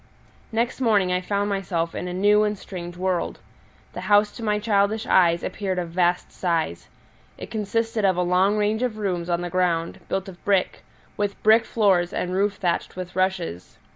Next morning I found myself in a new and strange world. The house to my childish eyes appeared of vast size: it consisted of a long range of rooms on the ground, built of brick, with brick floors and roof thatched with rushes.